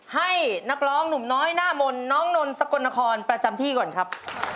ให้นักร้องหนุ่มน้อยหน้ามนต์น้องนนสกลนครประจำที่ก่อนครับ